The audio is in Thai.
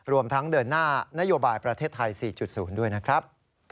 รวมทั้งเดินหน้านโยบายประเทศไทย๔๐ด้วยนะครับ